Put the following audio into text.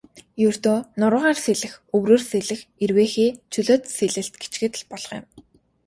Ердөө нуруугаар сэлэх, өврөөр сэлэх, эрвээхэй, чөлөөт сэлэлт гэчихэд л болох юм.